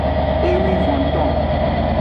Ewivonton.